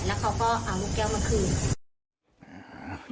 แล้วเขาก็เอาลูกแก้วมาคืน